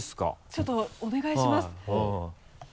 ちょっとお願いします。